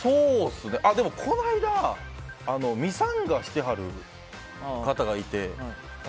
この間ミサンガをしてはる方がいて。